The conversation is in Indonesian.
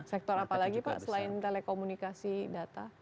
sektor apa lagi pak selain telekomunikasi data